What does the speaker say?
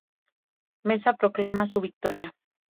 Mesa proclama su victoria.